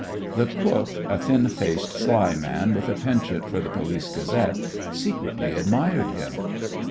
The cook, a thin faced, sly man, with a penchant for the Police Gazette, secretly admired him.